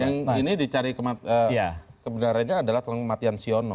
yang ini dicari kebenarannya adalah kematian siono